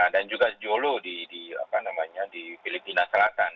dan juga jolo di filipina selatan